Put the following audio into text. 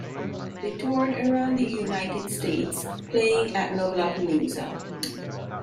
They toured around the United States, playing at Lollapalooza.